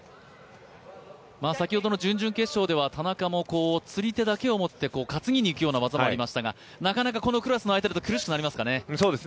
先ほどの準々決勝では田中も釣り手だけを持って担ぎに行くような技もありましたが、なかなかこのクラスが相手だと苦しくなりますかね。